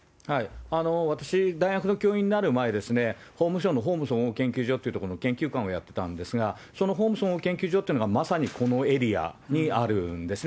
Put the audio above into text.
私、大学の教員になる前、法務省の法務総合研究所というところの研究官をやってたんですが、その法務総合研究所というのがまさにこのエリアにあるんですね。